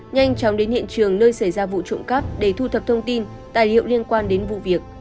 nhanh chóng đến hiện trường nơi xảy ra vụ trộm cắp để thu thập thông tin tài liệu liên quan đến vụ việc